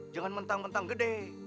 jangan mentang mentang gede